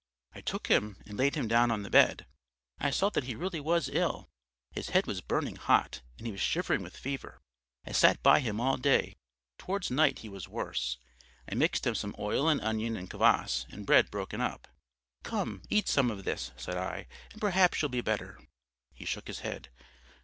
"I took him and laid him down on the bed. I saw that he really was ill: his head was burning hot and he was shivering with fever. I sat by him all day; towards night he was worse. I mixed him some oil and onion and kvass and bread broken up. "'Come, eat some of this,' said I, 'and perhaps you'll be better.' He shook his head.